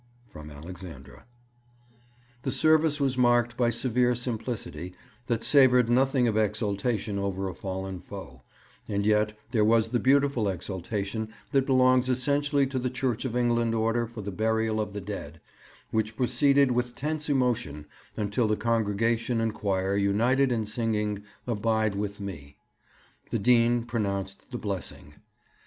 From ALEXANDRA. The service was marked by severe simplicity that savoured nothing of exultation over a fallen foe; and yet there was the beautiful exultation that belongs essentially to the Church of England Order for the Burial of the Dead, which proceeded with tense emotion until the congregation and choir united in singing 'Abide with me.' The Dean pronounced the blessing.